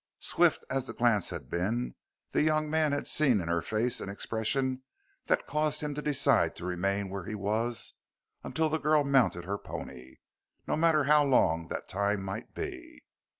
Swift as the glance had been the young man had seen in her face an expression that caused him to decide to remain where he was until the girl mounted her pony, no matter how long that time might be.